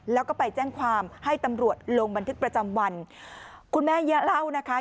แล้วก็ไปแจ้งความให้ตำรวจลงบันทึกประจำวันคุณแม่เยอะเล่านะคะ